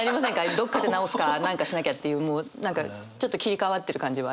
どっかで直すか何かしなきゃっていうもう何かちょっと切り替わってる感じはありましたね。